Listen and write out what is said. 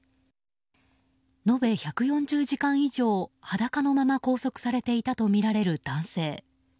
延べ１４０時間以上、裸のまま拘束されていたとみられる男性。